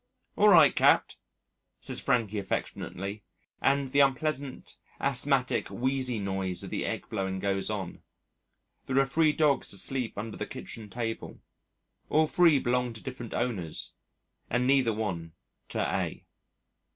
"All right, Capt.," says Frankie affectionately, and the unpleasant asthmatic, wheezy noise of the egg blowing goes on.... There are three dogs asleep under the kitchen table; all three belong to different owners and neither one to A